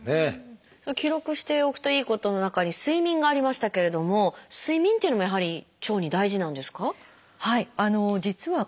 記録しておくといいことの中に「睡眠」がありましたけれども睡眠というのもやはり腸に大事なんですか？